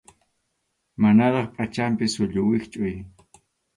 Manaraq pachanpi sullu wischʼuy.